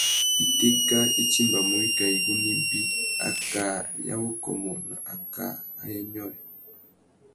Itéka i timbamú wikā igunú ibi: akā ya wukômô na akā ayê nyôrê.